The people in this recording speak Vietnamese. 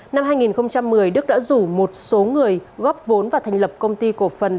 năm hai nghìn một mươi đức đã rủ một số người góp vốn và thành lập công ty cổ phần